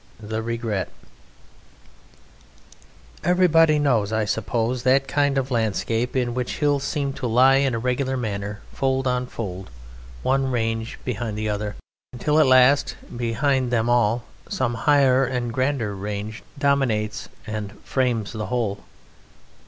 The Regret Everybody knows, I suppose, that kind of landscape in which hills seem to lie in a regular manner, fold on fold, one range behind the other, until, at last, behind them all some higher and grander range dominates and frames the whole.